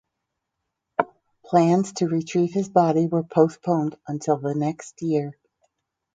Plans to retrieve his body were postponed until the next year.